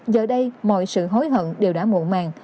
giờ đây mọi sự hối hận đều đã muộn màng